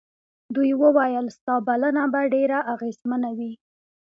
دوی وویل ستا بلنه به ډېره اغېزمنه وي.